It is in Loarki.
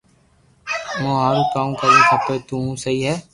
مون ھارو ڪاو ڪروھ کپي تو ھون سھي ھي